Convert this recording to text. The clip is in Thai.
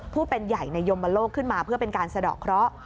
ผู้เป็นใหญ่ในยมโลกขึ้นมาเพื่อเป็นการสะดอกเคราะห์